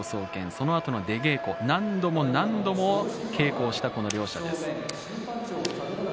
そのあとの出稽古、何度も何度も稽古をしたこの両者です。